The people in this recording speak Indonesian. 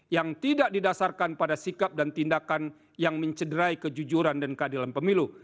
yang tidak didasarkan pada sikap dan tindakan yang mencederai kejujuran dan keadilan pemilu